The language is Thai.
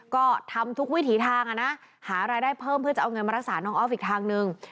ก็ทำทุกวิถีทางอ่ะนะหารายได้เพิ่มเพื่อจะเอาเงินมารักษาน้องออฟอีกทางนึง